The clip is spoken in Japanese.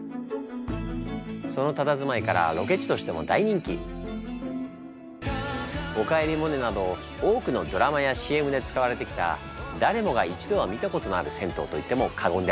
そのたたずまいから「おかえりモネ」など多くのドラマやＣＭで使われてきた誰もが一度は見たことのある銭湯と言っても過言ではないのよ。